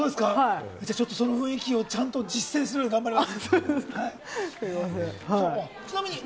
その雰囲気を実践するように頑張ります。